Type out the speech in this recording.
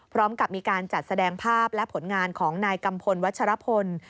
พร้อมกับมีการจัดแสดงภาพและผลงานของนายกัมพลวัชรพล